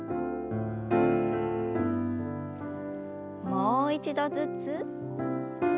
もう一度ずつ。